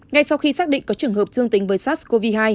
ngay sau khi xác định có trường hợp dương tính với sars cov hai